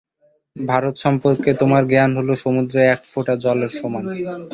ভারত সম্পর্কে তোমার জ্ঞান হলো সমুদ্রের এক ফোঁটা জলের সমান।